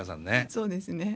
そうですね。